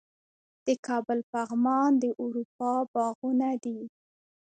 د کابل پغمان د اروپا باغونه دي